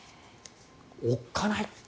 おっかない。